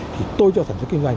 thì tôi cho sản xuất kinh doanh